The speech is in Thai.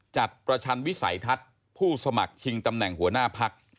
ประชันวิสัยทัศน์ผู้สมัครชิงตำแหน่งหัวหน้าพัก